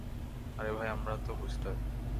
আরে ভাই আমরা তো বুঝদার।